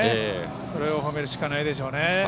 それを褒めるしかないでしょうね。